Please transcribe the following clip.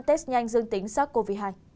test nhanh dương tính sars cov hai